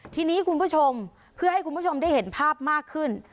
ทีนี้คุณผู้ชมเพื่อให้คุณผู้ชมได้เห็นภาพมากขึ้น